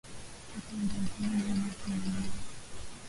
Toka mbavuni mwako yenyewe.